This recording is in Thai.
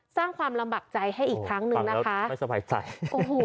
สร้างความลำบากใจให้อีกครั้งหนึ่งนะคะไม่สบายใจโอ้โห